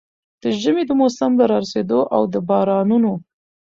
د ژمي د موسم له را رسېدو او د بارانونو